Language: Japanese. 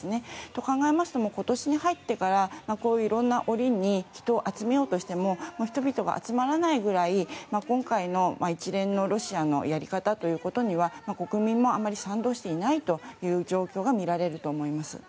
そう考えますと今年に入ってからいろんな折に人を集めようとしても人々が集まらないぐらい今回の一連のロシアのやり方には国民もあまり賛同していない状況が見られると思います。